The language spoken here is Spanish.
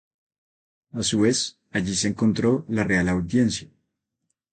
A su vez, allí se encontró la Real Audiencia.